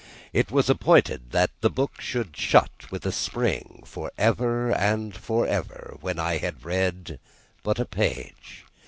It was appointed that the book should shut with a spring, for ever and for ever, when I had read but a page.